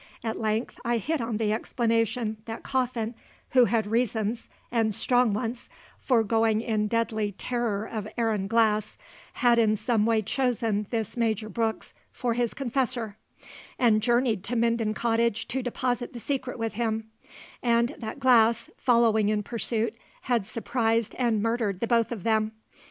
At length I hit on the explanation that Coffin who had reasons, and strong ones, for going in deadly terror of Aaron Glass had in some way chosen this Major Brooks for his confessor, and journeyed to Minden Cottage to deposit the secret with him; and that Glass, following in pursuit, had surprised and murdered the both of them.